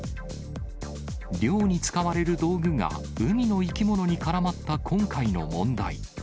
漁に使われる道具が、海の生き物に絡まった今回の問題。